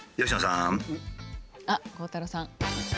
あっ鋼太郎さん。